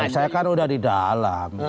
saya kan udah di dalam